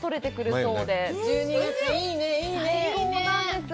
そうなんですよ。